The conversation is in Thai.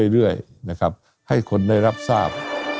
เรื่อยนะครับให้คนได้รับทราบ